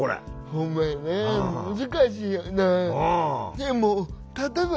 ほんまやな難しいよなあ。